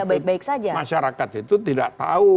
ya karena masyarakat itu tidak tahu